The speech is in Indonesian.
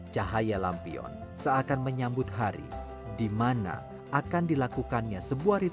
cahaya lampion seakan menyambut hari di mana akan dilakukannya sebuah